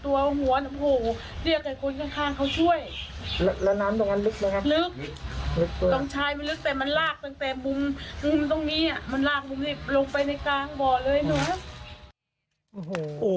โอ้โห